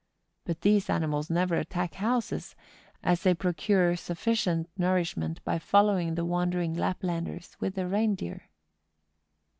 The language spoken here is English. But these animals never attack houses, as they pro¬ cure sufficient nourishment by following the wander¬ ing Laplanders with their rein deer.